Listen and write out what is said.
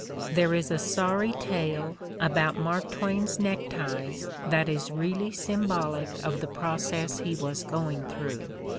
There is a sorry tale about Mark Twain's neckties that is really symbolic of the process he was going through.